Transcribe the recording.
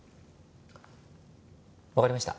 わかりました。